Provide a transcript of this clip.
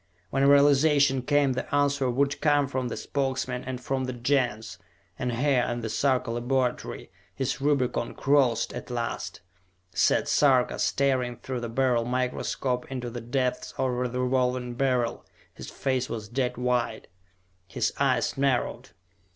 When realization came, the answer would come from the Spokesmen and from the Gens; and here in the Sarka laboratory, his Rubicon crossed at last, sat Sarka, staring through the Beryl microscope into the depths of the Revolving Beryl. His face was dead white, his eyes narrowed.